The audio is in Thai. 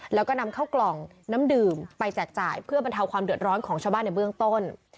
แล้วก็นำเข้ากล่องน้ำดื่มไปแจกจ่ายเพื่อบรรเทาความเดือดร้อนของชาวบ้านในเบื้องต้น